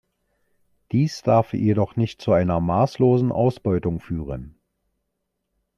Dies darf jedoch nicht zu einer maßlosen Ausbeutung führen!